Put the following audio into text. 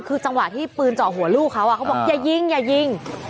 คือจังหวะที่ปืนเจาะหัวลูกเขาเขาบอกอย่ายิงอย่ายิง